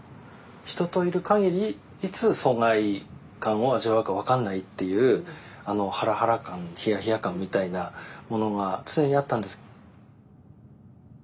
人といる限りいつ疎外感を味わうか分かんないっていうハラハラ感ヒヤヒヤ感みたいなものが常にあったんです。